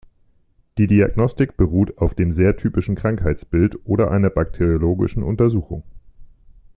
Die Diagnostik beruht auf dem sehr typischen Krankheitsbild oder einer bakteriologischen Untersuchung.